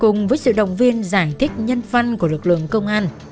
cùng với sự động viên giải thích nhân văn của lực lượng công an